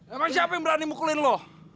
emang siapa yang berani mukulin loh